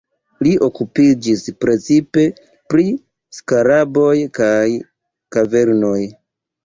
Li okupiĝis precipe pri skaraboj kaj kavernoj.